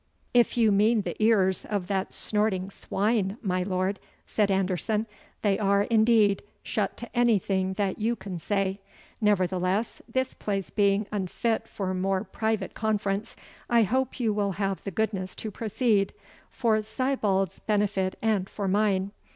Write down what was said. "If you mean the ears of that snorting swine, my lord," said Anderson, "they are, indeed, shut to anything that you can say; nevertheless, this place being unfit for more private conference, I hope you will have the goodness to proceed, for Sibbald's benefit and for mine.